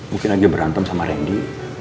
mungkin lagi berantem sama randy